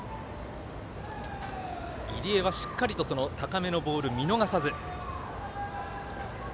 入江はしっかりと高めのボール見逃さず。